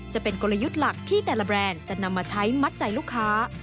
จะเป็นกลยุทธ์หลักที่แต่ละแบรนด์จะนำมาใช้มัดใจลูกค้า